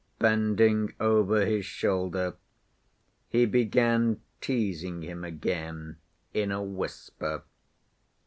Bending over his shoulder he began teasing him again in a whisper.